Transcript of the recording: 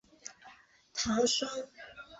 唐双宁亦为光大证券非执行董事。